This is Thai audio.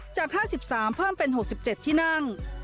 จาก๕๓เพิ่มเป็น๖๗ที่นั่ง